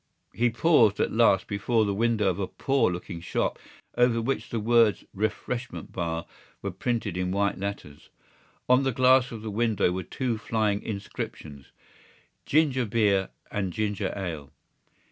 He paused at last before the window of a poor looking shop over which the words Refreshment Bar were printed in white letters. On the glass of the window were two flying inscriptions: Ginger Beer and Ginger Ale.